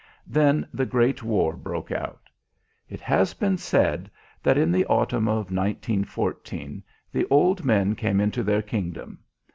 Then the Great War broke out. It has been said that in the autumn of 1914 the Old Men came into their kingdom.